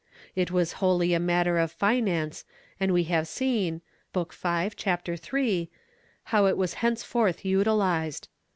^ It was wholly a matter of finance and we have seen (Book v. Chap, iii) how it was thenceforth utiHzed.